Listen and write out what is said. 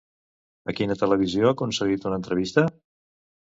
A quina televisió ha concedit una entrevista?